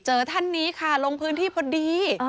ท่านนี้ค่ะลงพื้นที่พอดี